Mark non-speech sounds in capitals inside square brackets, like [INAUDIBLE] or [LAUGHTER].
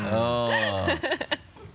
ハハハ [LAUGHS]